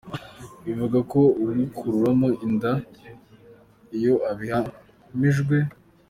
ivuga ko uwikuramo inda iyo abihamijwe